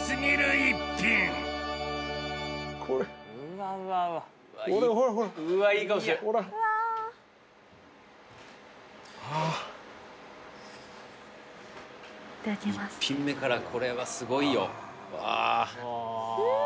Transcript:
１品目からこれはすごいよわうん！